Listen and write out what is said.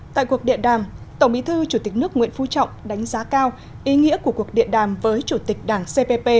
tại cuộc điện đàm tổng bí thư chủ tịch nước nguyễn phú trọng đánh giá cao ý nghĩa của cuộc điện đàm với chủ tịch đảng cpp